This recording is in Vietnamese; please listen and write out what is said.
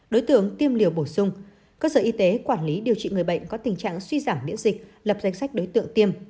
đối tượng tiêm liều bổ sung cơ sở y tế quản lý điều trị người bệnh có tình trạng suy giảm miễn dịch lập danh sách đối tượng tiêm